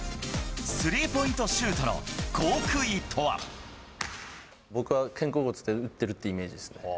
スリーポイントシュートの極意と僕は肩甲骨で打ってるってイメージですね。